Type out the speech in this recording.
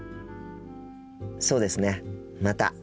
そうですねまた。